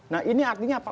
nah ini artinya apa